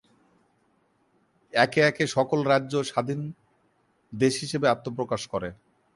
একে একে সকল রাজ্য স্বাধীন দেশ হিসেবে আত্মপ্রকাশ করে।